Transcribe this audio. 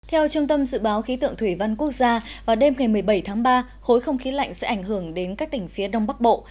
theo trung tâm dự báo khí tượng thủy văn quốc gia vào đêm ngày một mươi bảy tháng ba khối không khí lạnh sẽ ảnh hưởng đến các tỉnh phía đông bắc bộ